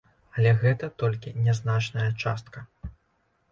Але гэта толькі нязначная частка.